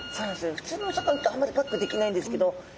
ふつうのお魚だとあんまりバックできないんですけど。